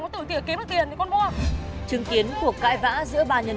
mà con thích mua giày giày con cũ lắm rồi